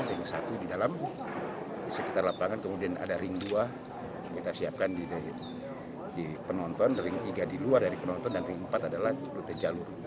ring satu di dalam di sekitar lapangan kemudian ada ring dua kita siapkan di penonton ring tiga di luar dari penonton dan ring empat adalah rute jalur